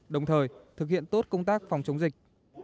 đồng thời thực hiện tốt công tác phòng chống dịch